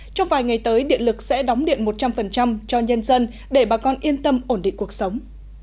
trong vài ngày tới điện lực sẽ đóng điện một trăm linh cho nhân dân để bà con yên tâm ổn định cuộc sống